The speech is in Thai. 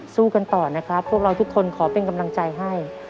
สู้กันต่อนะครับพวกเราทุกคนขอเป็นกำลังใจให้